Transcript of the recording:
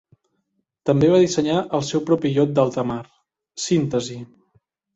També va dissenyar el seu propi iot d'alta mar, Síntesi.